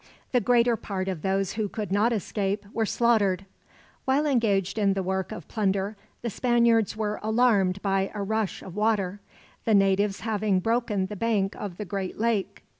The greater part of those who could not escape were slaughtered. While engaged in the work of plunder, the Spaniards were alarmed by a rush of water; the natives having broken the bank of the great lake.